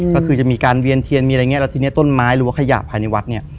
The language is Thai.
ก็คือจะมีการเวียนเทียนมีอะไรอย่างนี้แล้วทีนี้ต้นไม้หรือว่าขยะภายในวัดเนี่ย